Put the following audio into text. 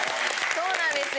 そうなんですよ。